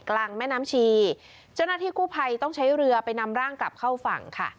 กลางแม่น้ำชีเจ้าหน้าที่กู้ภัยต้องใช้เรือไปนำร่างกลับเข้าฝั่งค่ะ